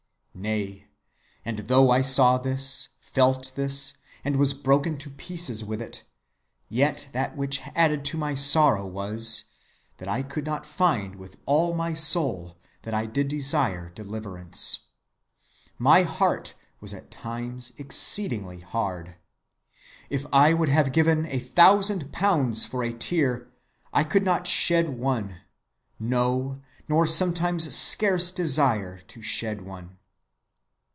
Nay, and though I saw this, felt this, and was broken to pieces with it, yet that which added to my sorrow was, that I could not find with all my soul that I did desire deliverance. My heart was at times exceedingly hard. If I would have given a thousand pounds for a tear, I could not shed one; no, nor sometimes scarce desire to shed one.